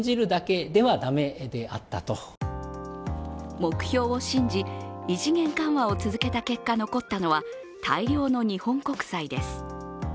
目標を信じ異次元緩和を続けた結果残ったのは大量の日本国債です。